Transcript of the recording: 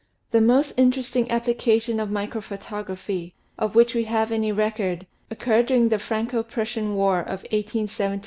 The most interesting application of microphotography, of which we have any record, occurred during the Franco Prussian war in 1870 71.